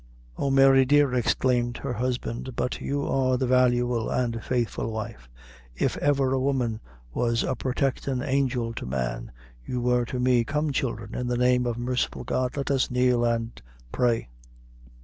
"Oh, Mary dear," exclaimed her husband, "but you are the valuable and faithful wife! If ever woman was a protectin' angel to man, you wor to me. Come children, in the name of the merciful God, let us kneel and pray."